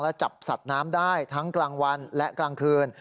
และจับสัตว์น้ำได้ทั้งกลางวันและกลางคืน